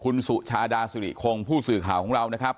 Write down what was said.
คุณสุชาดาสุริคงผู้สื่อข่าวของเรานะครับ